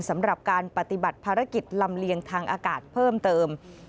สำหรับการปฏิบัติภารกิจลำเลียงทางอากาศเพิ่มเติม